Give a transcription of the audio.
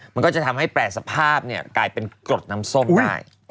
มันก็จะทำให้แปรสภาพกลายเป็นกรดน้ำส้มได้